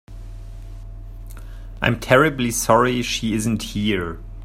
I'm terribly sorry she isn't here.